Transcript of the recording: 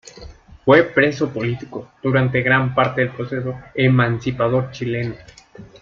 Fue preso político durante gran parte del proceso emancipador chileno.